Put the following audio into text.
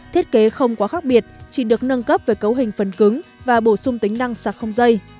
thiết kế không quá khác biệt chỉ được nâng cấp về cấu hình phần cứng và bổ sung tính năng sạc không dây